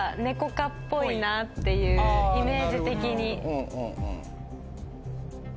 っぽいなっていうイメージ的に。